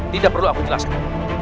tidak perlu aku jelaskan